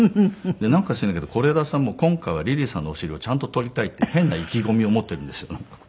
なんか知らないけど是枝さんも今回はリリーさんのお尻をちゃんと撮りたいって変な意気込みを持っているんですよ。